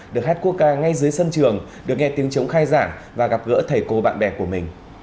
được hát quốc ca ngay dưới sân trường được nghe tiếng chống khai giảng và gặp gỡ thầy cô bạn bè của mình